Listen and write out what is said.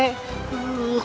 kesurupan juga tuh